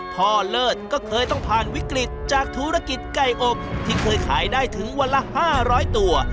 เลิศก็เคยต้องผ่านวิกฤตจากธุรกิจไก่อบที่เคยขายได้ถึงวันละ๕๐๐ตัว